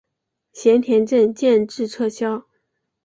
咸田镇建制撤销。